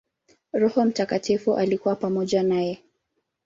Roho Mtakatifu alikuwa pamoja naye.